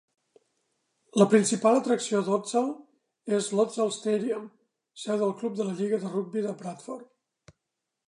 La principal atracció d'Odsal és l'Odsal Stadium, seu del club de la lliga de rugbi de Bradford.